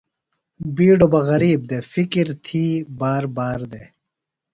بِیڈوۡ بہ غریب دےۡ، فِکر تھی باربار دےۡ